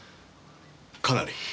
かなり。